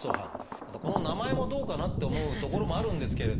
この名前もどうかなって思うところもあるんですけれど。